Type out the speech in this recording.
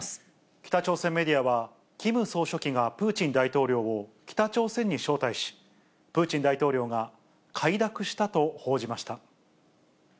北朝鮮メディアは、キム総書記がプーチン大統領を北朝鮮に招待し、プーチン大統領が快諾したと報じました。